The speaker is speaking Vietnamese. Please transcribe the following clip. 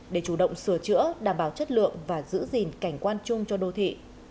để chủ động sửa chữa đảm bảo chất lượng và giữ gìn cảnh quan chung cho đô thị